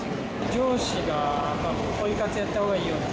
上司がポイ活やったほうがいいよって。